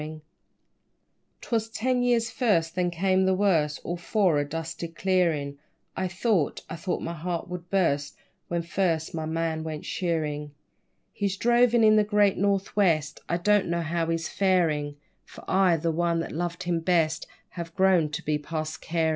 _ 'Twas ten years first, then came the worst, All for a dusty clearin', I thought, I thought my heart would burst When first my man went shearin'; He's drovin' in the great North west, I don't know how he's farin'; For I, the one that loved him best, Have grown to be past carin'.